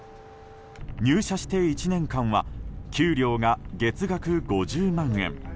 入社して１年間は給料が月額５０万円。